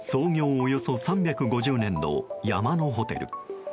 およそ３５０年の山のホテル。